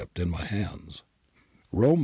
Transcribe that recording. (in my hands); Rome MS.